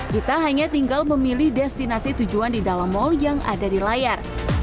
kita hanya tinggal memilih destinasi tujuan di dalam mall yang ada di layar